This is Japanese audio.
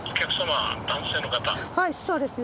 はいそうですね。